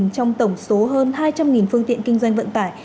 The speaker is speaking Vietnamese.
trong tổng số hơn hai trăm linh phương tiện kinh doanh vận tải